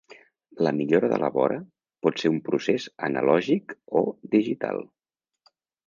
La millora de la vora pot ser un procés analògic o digital.